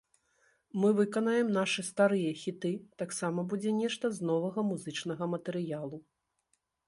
Мы выканаем нашы старыя хіты, таксама будзе нешта з новага музычнага матэрыялу.